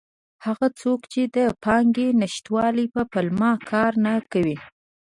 هغه څوک چې د پانګې نشتوالي په پلمه کار نه کوي.